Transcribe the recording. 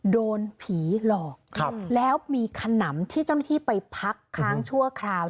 โดนผีหลอกแล้วมีขนำที่เจ้าหน้าที่ไปพักค้างชั่วคราว